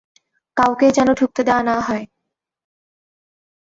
কাউকেই যেন ঢুকতে দেয়া না হয়।